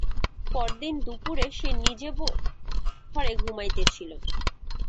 পরদিন দুপুরে সে নিজেব ঘরে ঘুমাইতেছিল।